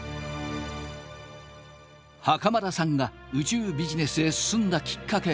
袴田さんが宇宙ビジネスへ進んだきっかけ